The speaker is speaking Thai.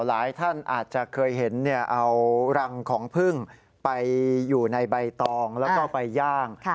หลายท่านอาจจะเคยเห็นเอารังของพึ่งไปอยู่ในใบตองแล้วก็ไปย่าง